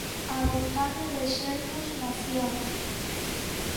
A vontade de sermos nación.